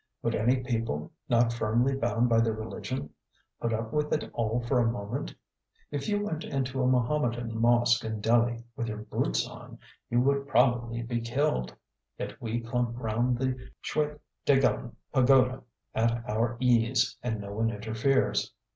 Would any people, not firmly bound by their religion, put up with it all for a moment? If you went into a Mahommedan mosque in Delhi with your boots on, you would probably be killed. Yet we clump round the Shwe Dagon pagoda at our ease, and no one interferes.